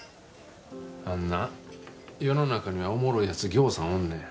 あんなあ世の中にはおもろい奴がぎょうさんおんねん。